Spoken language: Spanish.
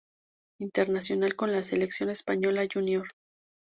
Internacional con la selección española Júnior.